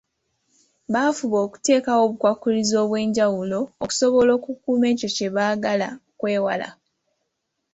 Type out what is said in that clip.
Bafuba okuteekawo obukwakkulizo obw’enjawulo obusobola okukuuma ekyo kye baagala okwewala.